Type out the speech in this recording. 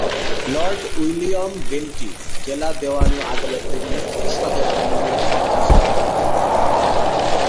Lord William Bentinck জেলা দেওয়ানি আদালতে মুখ্য সদর আমিনের পদ সৃষ্টি করেন।